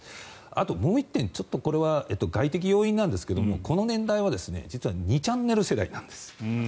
あと、もう１点これは外的要因なんですがこの年代は実は２ちゃんねる世代なんです。